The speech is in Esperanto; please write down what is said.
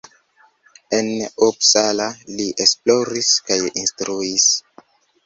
En Uppsala li esploris kaj instruis.